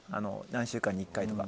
何週間に１回とか。